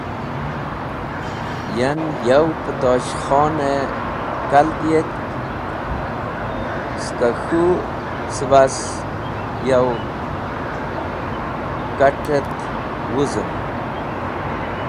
Yan yav pẽ Tosh Khon-e kal diyet, skẽ k̃hũ cẽbas yo kat̃ et wũzũm.